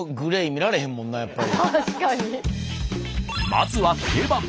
まずは定番。